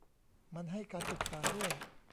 มันให้การศึกษาด้วย